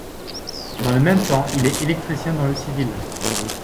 Dans le même temps, il est électricien dans le civil.